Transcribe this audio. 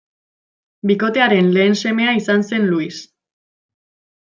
Bikotearen lehen semea izan zen Luis.